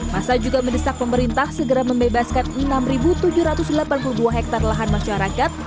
masa juga mendesak pemerintah segera membebaskan enam tujuh ratus delapan puluh dua hektare lahan masyarakat